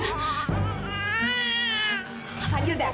kak fadil dateng